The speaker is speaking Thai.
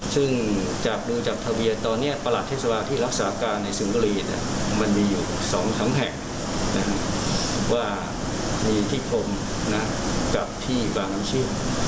ซึ่งจากดูจากทะเวียตอนเนี้ยประหลาดเทศวาที่รักษาการในสิงคลีน่ะมันมีอยู่สองทั้งแห่งนะฮะว่ามีที่พรมนะครับกับที่บางน้ำชีพ